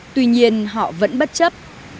tuy nhiên họ vẫn bất chấp